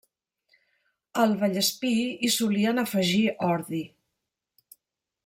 Al Vallespir hi solien afegir ordi.